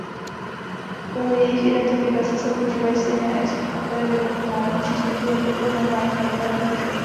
Pro jejich identifikace se používají stejné experimentální přístupy jako pro normální kmenové buňky.